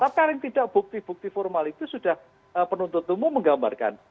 tapi paling tidak bukti bukti formal itu sudah penuntut umum menggambarkan